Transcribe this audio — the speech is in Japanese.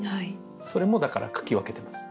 それもだから書き分けてます。